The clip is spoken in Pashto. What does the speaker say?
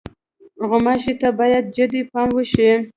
غوماشې ته باید جدي پام وشي.